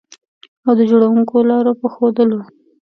او د جوړوونکو لارو په ښودلو